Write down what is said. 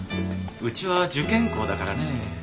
うちは受験校だからね。